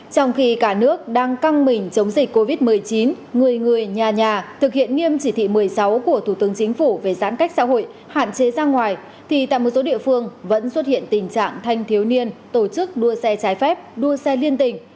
trong khi cả nước đang căng mình chống dịch covid một mươi chín người người nhà nhà thực hiện nghiêm chỉ thị một mươi sáu của thủ tướng chính phủ về giãn cách xã hội hạn chế ra ngoài thì tại một số địa phương vẫn xuất hiện tình trạng thanh thiếu niên tổ chức đua xe trái phép đua xe liên tỉnh